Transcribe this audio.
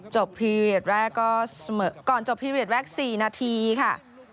จบพิเวิร์ดแรกก็เสมอก่อนจบพิเวิร์ดแรก๔นาทีค่ะ